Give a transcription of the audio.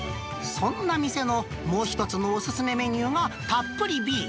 そんな店のもう１つのお勧めメニューがたっぷりＢ。